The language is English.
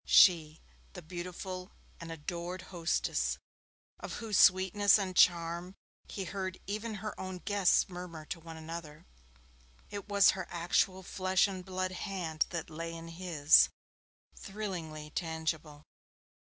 She the beautiful and adored hostess, of whose sweetness and charm he heard even her own guests murmur to one another it was her actual flesh and blood hand that lay in his thrillingly tangible.